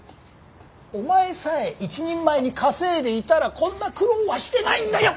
お前さえ一人前に稼いでいたらこんな苦労はしてないんだよ！